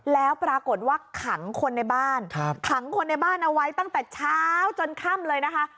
แล้วปรากฏว่าขังคนในบ้านขังคนในบ้านเอาไว้ตั้งแต่เช้าจนค่ำเลยนะคะ